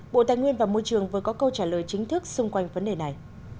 bộ tài nguyên và môi trường vừa có câu trả lời chính thức xung quanh vấn đề này